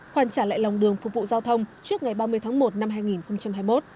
hoàn trả lại lòng đường phục vụ giao thông trước ngày ba mươi tháng một năm hai nghìn hai mươi một